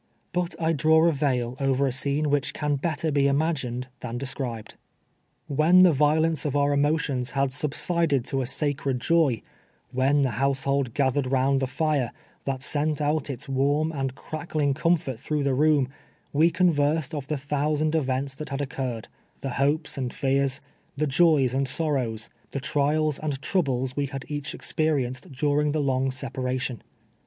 But I draw a veil over a scene which can better be imagined than described. AVhen the violence of our emotions had subsided to a sacred joy — when the hotisehold gathered round the fire, that sent out its warm and crackling comfort through the room, we conversed of the thousand events that had occurred — the hopes and fears, the joys and sorrows, the trials and troubles we had each experienced during the long separation.